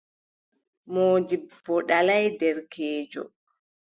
Moodibbo ɗalaay derkeejo.